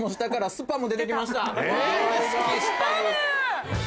スパム！